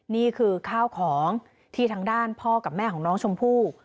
นี่คือข้าวของที่ทางด้านพ่อกับแม่ของน้องชมพู่